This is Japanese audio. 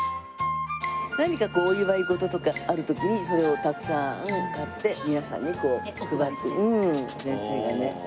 何かお祝い事とかある時にそれをたくさん買って皆さんに配って先生がね。